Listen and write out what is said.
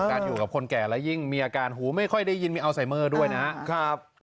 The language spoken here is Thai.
อยู่กับคนแก่แล้วยิ่งมีอาการหูไม่ค่อยได้ยินมีอัลไซเมอร์ด้วยนะครับ